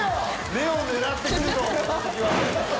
目を狙って来るぞ